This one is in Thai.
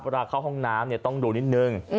เข้าห้องน้ำต้องดูนิดนึง